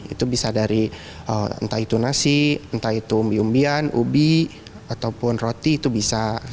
itu bisa dari entah itu nasi entah itu umbi umbian ubi ataupun roti itu bisa